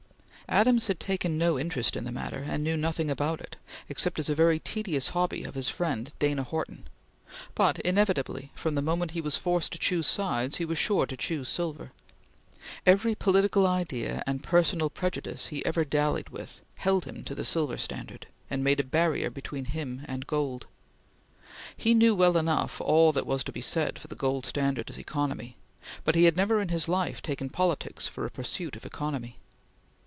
Adams had taken no interest in the matter, and knew nothing about it, except as a very tedious hobby of his friend Dana Horton; but inevitably, from the moment he was forced to choose sides, he was sure to choose silver. Every political idea and personal prejudice he ever dallied with held him to the silver standard, and made a barrier between him and gold. He knew well enough all that was to be said for the gold standard as economy, but he had never in his life taken politics for a pursuit of economy.